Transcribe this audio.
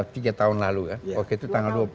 tiga tahun lalu